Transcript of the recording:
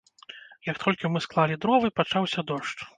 Як толькі мы склалі дровы, пачаўся дождж.